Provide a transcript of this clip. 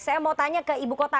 saya mau tanya ke ibu kota